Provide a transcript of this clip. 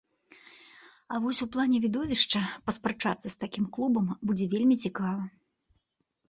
А вось у плане відовішча паспрачацца з такім клубам будзе вельмі цікава.